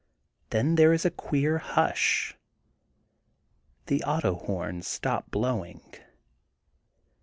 Then there is a queer hush. The auto horns stop blowing.